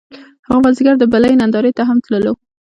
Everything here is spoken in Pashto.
هغه مازیګر د بلۍ نندارې ته هم تللو